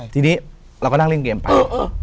ทีนี้เราก็นั่งเล่นเกมไป